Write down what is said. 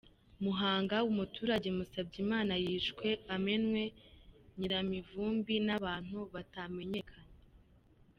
Muhanga Umuturage Musabyimana yishwe amenwe nyiramivumbi n’abantu batamenyekanye